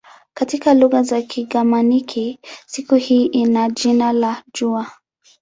Katika lugha za Kigermanik siku hii ina jina la "jua".